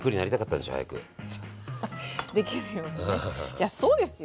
いやそうですよ。